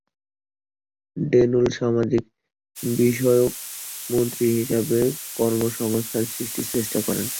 ডেন উল সামাজিক বিষয়ক মন্ত্রী হিসেবে কর্মসংস্থান সৃষ্টির চেষ্টা করেন।